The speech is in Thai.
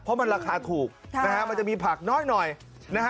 เพราะมันราคาถูกนะฮะมันจะมีผักน้อยหน่อยนะฮะ